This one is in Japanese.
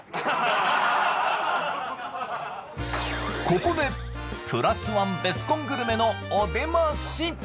ここでプラスワンベスコングルメのお出まし！